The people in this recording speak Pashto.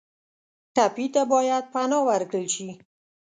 ټپي ته باید پناه ورکړل شي.